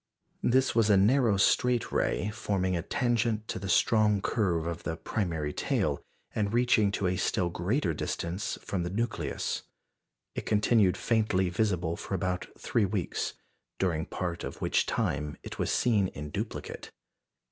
This was a narrow straight ray, forming a tangent to the strong curve of the primary tail, and reaching to a still greater distance from the nucleus. It continued faintly visible for about three weeks, during part of which time it was seen in duplicate.